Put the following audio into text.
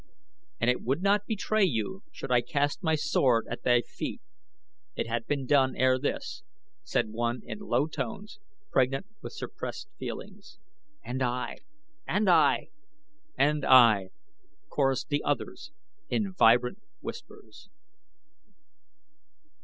"And it would not betray you should I cast my sword at thy feet, it had been done ere this," said one in low tones pregnant with suppressed feeling. "And I!" "And I!" "And I!" chorused the others in vibrant whispers.